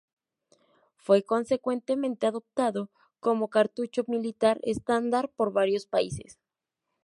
Fue consecuentemente adoptado como cartucho militar estándar por varios países.